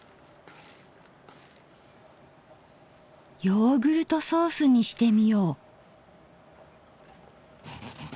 ヨーグルトソースにしてみよう。